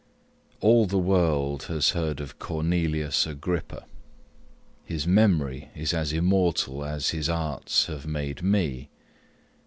All the world has heard of Cornelius Agrippa. His memory is as immortal as his arts have made me.